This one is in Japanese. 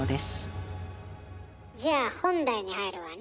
じゃあ本題に入るわね。